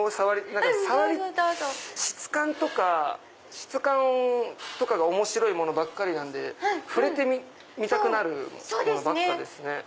質感とかが面白いものばっかりなんで触れてみたくなるものばっかです。